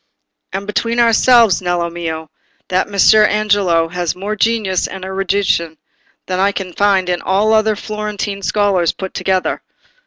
"And between ourselves, Nello mio, that Messer Angelo has more genius and erudition than I can find in all the other Florentine scholars put together.